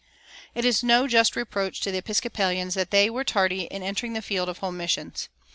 It is no just reproach to the Episcopalians that they were tardy in entering the field of home missions.